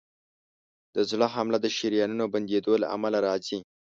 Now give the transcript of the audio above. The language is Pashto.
د زړه حمله د شریانونو بندېدو له امله راځي.